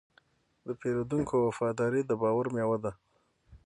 د پیرودونکي وفاداري د باور میوه ده.